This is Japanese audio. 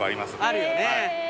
あるよね。